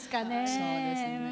そうですね。